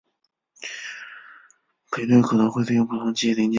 频率可能会对应不同的机械零件。